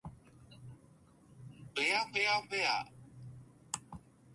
ふぇあふぇわふぇわ